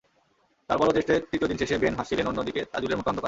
তার পরও টেস্টের তৃতীয় দিন শেষে বেন হাসছিলেন, অন্যদিকে তাইজুলের মুখে অন্ধকার।